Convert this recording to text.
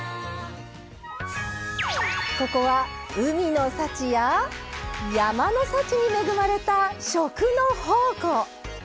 ここは海の幸や山の幸に恵まれた食の宝庫。